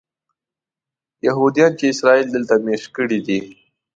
یهودیان چې اسرائیل دلته مېشت کړي دي.